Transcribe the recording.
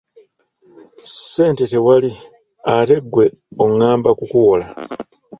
Ssente tewali ate ggwe ongamba kukuwola!